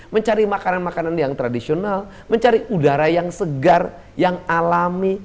mencari makanan makanan yang tradisional mencari udara yang segar yang alami